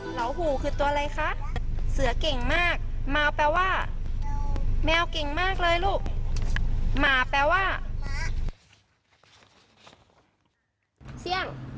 เหลาหูคือตัวอะไรคะเสือเก่งมากหมาแปลว่าแมวเก่งมากเลยลูกหมาแปลว่าเสี่ยง